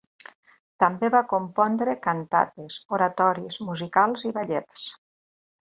També va compondre cantates, oratoris, musicals i ballets.